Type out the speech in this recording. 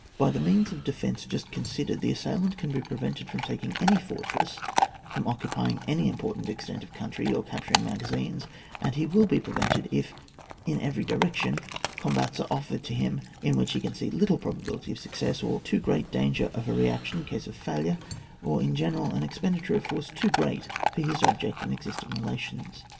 By the means of defence just considered, the assailant can be prevented from taking any fortress, from occupying any im portant extent of country, or capturing magazines ; and he will be prevented, if in every direction combats are offered to him in which he can see little probability of success, or too great danger of a re action in case of failure, or in general, an expenditure of force too g^eat for his ob ject and existing relations.